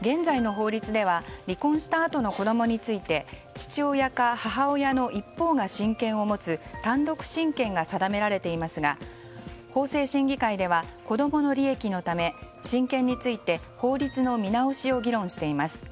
現在の法律では離婚したあとの子供について父親か母親の一方が親権を持つ単独親権が定められていますが法制審議会では子供の利益のため、親権について法律の見直しを議論しています。